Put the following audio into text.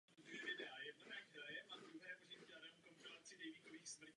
Preferuje slunečné polohy a propustné půdy.